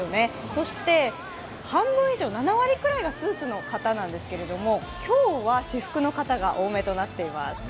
そして半分以上、７割くらいがスーツの方なんですけれども今日は私服の方が多めとなっています。